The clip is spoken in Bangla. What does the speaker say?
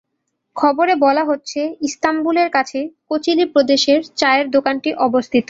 খবরে বলা হচ্ছে, ইস্তাম্বুলের কাছে কোচিলি প্রদেশে চায়ের দোকানটি অবস্থিত।